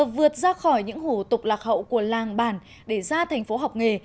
vượt ra khỏi những hủ tục lạc hậu của làng bản để ra thành phố học nghề